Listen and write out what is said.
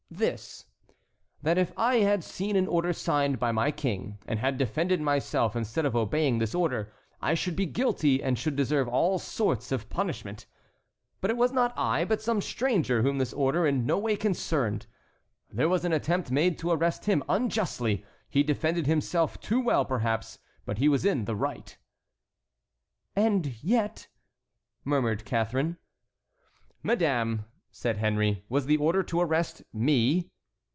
"This, that if I had seen an order signed by my King and had defended myself instead of obeying this order, I should be guilty and should deserve all sorts of punishment; but it was not I but some stranger whom this order in no way concerned. There was an attempt made to arrest him unjustly, he defended himself too well, perhaps, but he was in the right." "And yet"—murmured Catharine. "Madame," said Henry, "was the order to arrest me?"